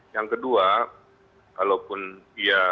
yang kedua kalaupun dia